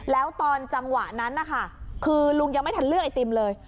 แล้วตอนจังหวะนั้นนะคะคือลุงยังไม่ทันเลือกไอติมเลย